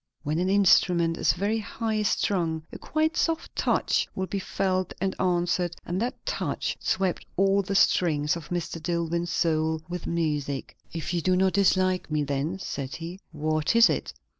When an instrument is very high strung, a quite soft touch will be felt and answered, and that touch swept all the strings of Mr. Dillwyn's soul with music. "If you do not dislike me, then," said he, "what is it?